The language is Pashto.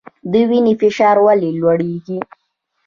د وینې فشار ولې لوړیږي؟